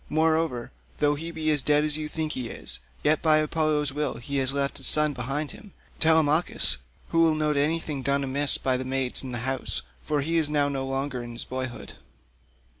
Moreover, though he be dead as you think he is, yet by Apollo's will he has left a son behind him, Telemachus, who will note anything done amiss by the maids in the house, for he is now no longer in his boyhood."